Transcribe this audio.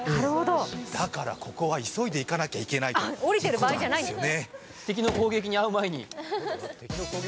だからここは急いで行かなきゃいけないんですよね。